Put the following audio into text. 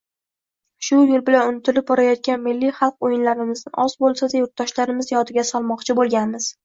Shu yoʻl bilan unutilib borayotgan milliy xalq oʻyinlarimizni oz boʻlsada yurtdoshlarimiz yodiga solmoqchi boʻlganmiz.